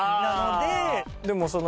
でもその。